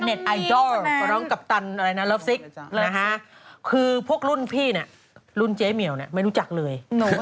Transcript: อ๋อน้องมี๊นค่ะแมนคือพวกรุ่นพี่เนี่ยรุ่นเจ๊เมียลไม่รู้จักเลย